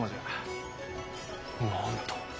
なんと。